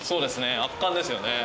圧巻ですよね。